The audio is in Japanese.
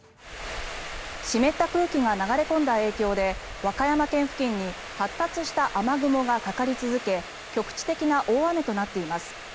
湿った空気が流れ込んだ影響で和歌山県付近に発達した雨雲がかかり続け局地的な大雨となっています。